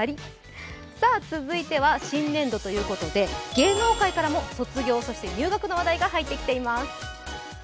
続いては新年度ということで芸能界からも卒業、そして入学の話題が入ってきています。